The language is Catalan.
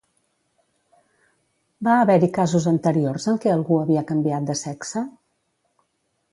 Va haver-hi casos anteriors en què algú havia canviat de sexe?